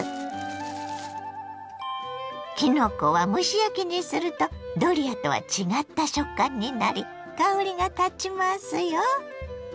きのこは蒸し焼きにするとドリアとは違った食感になり香りがたちますよ。